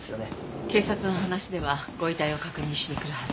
警察の話ではご遺体を確認しに来るはず。